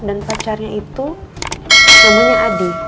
dan pacarnya itu namanya adi